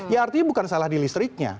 ya artinya bukan salah di listriknya